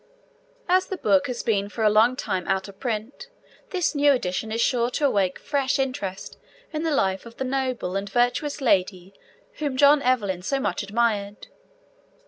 As the book has been for a long time out of print, this new edition is sure to awake fresh interest in the life of the noble and virtuous lady whom John Evelyn so much admired.